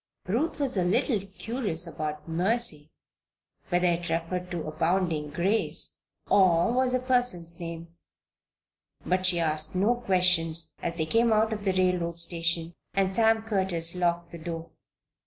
Ruth was a little curious about "Mercy" whether it referred to abounding grace, or was a person's name. But she asked no questions as they came out of the railroad station and Sam Curtis locked the door.